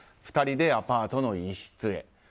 ２人でアパートの一室へ。